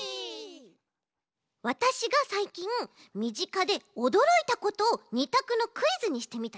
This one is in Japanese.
わたしがさいきんみぢかでおどろいたことを２たくのクイズにしてみたち。